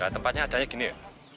tempatnya adanya gini ya